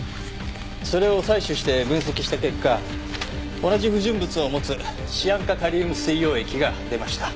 それを採取して分析した結果同じ不純物を持つシアン化カリウム水溶液が出ました。